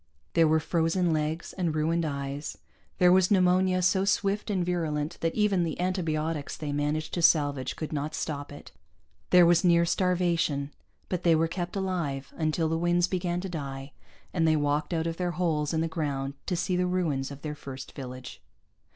There were frozen legs and ruined eyes; there was pneumonia so swift and virulent that even the antibiotics they managed to salvage could not stop it; there was near starvation but they were kept alive, until the winds began to die, and they walked out of their holes in the ground to see the ruins of their first village.